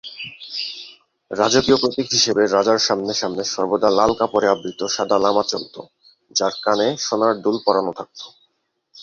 রাজকীয় প্রতীক হিসেবে রাজার সামনে সামনে সর্বদা লাল কাপড়ে আবৃত সাদা লামা চলতো যার কানে সোনার দুল পরানো থাকতো।